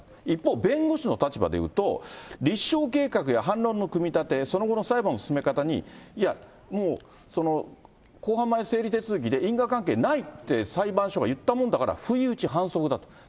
一方、弁護士の立場で言うと、立証計画や反論の組み立て、その後の裁判の進め方に、いや、もう公判前整理手続きで、因果関係ないって裁判所が言ったもんだから、不意打ち、反則だと。